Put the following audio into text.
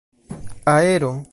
aero